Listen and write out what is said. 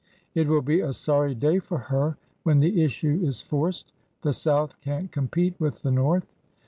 It will be a sorry day for her when the issue is forced. The South can't compete with the North."